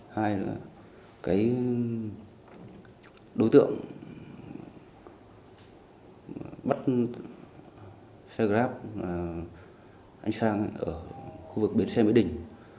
hai nữa là cái đối tượng bắt xe grab anh sang ở khu vực biển xe mỹ đình